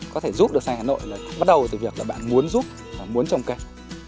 có thể giúp đỡ xanh hà nội bắt đầu từ việc bạn muốn giúp muốn trồng cây